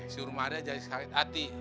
si rumahnya jadi sakit hati